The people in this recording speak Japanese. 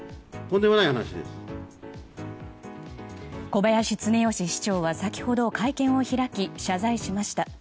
小林常良市長は先ほど会見を開き謝罪しました。